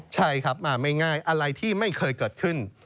ใช่ครับมาไม่ง่ายอะไรที่ไม่เคยเกิดขึ้น